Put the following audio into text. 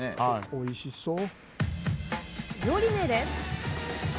おいしそう。